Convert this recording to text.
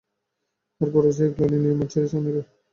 আর পরাজয়ের গ্লানি নিয়ে মাঠ ছেড়েছে অনেকে।